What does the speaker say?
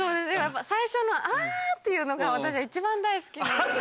最初の「あ！」っていうのが私は一番大好き。